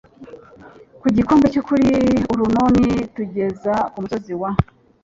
ku gikombe cyo kuri Arunoni tugeza ku musozi wa